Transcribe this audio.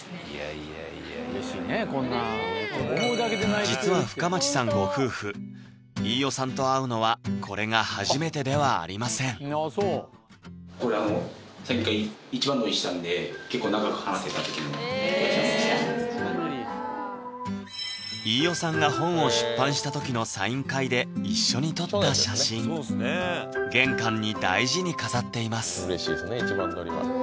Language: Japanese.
いやいやうれしいねこんな実は深町さんご夫婦飯尾さんと会うのはこれが初めてではありません飯尾さんが本を出版した時のサイン会で一緒に撮った写真玄関に大事に飾っています